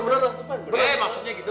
eh maksudnya gitu